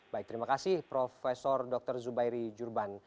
baik terima kasih prof dr zubairi jurban